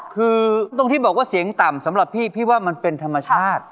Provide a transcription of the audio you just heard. คือตรงที่บอกว่าเสียงต่ำสำหรับพี่พี่ว่ามันเป็นธรรมชาติ